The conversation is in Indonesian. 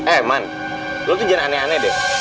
eh man lo tuh jangan aneh aneh deh